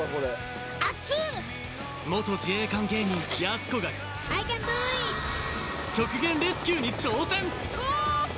元自衛官芸人やす子が極限レスキューに挑戦。